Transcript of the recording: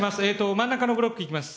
真ん中のブロックいきます。